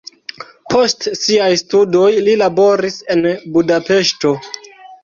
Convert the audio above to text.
Post siaj studoj li laboris en Budapeŝto.